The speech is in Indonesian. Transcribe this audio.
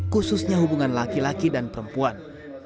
khususnya hubungan laki laki dan perempuan